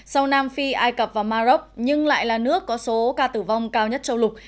sau nam phi ai cập và maroc nhưng lại là nước có số ca tử vong cao nhất châu lục